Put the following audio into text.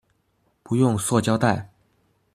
不用塑膠袋